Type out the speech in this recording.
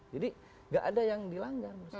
jadi tidak ada yang dilanggar maksud saya